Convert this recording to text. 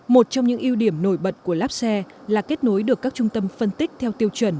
một trong những ưu điểm nổi bật của napse là kết nối được các trung tâm phân tích theo tiêu chuẩn